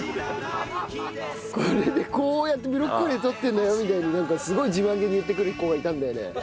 これでこうやってブロッコリーで撮ってるんだよみたいになんかすごい自慢げに言ってくる子がいたんだよね。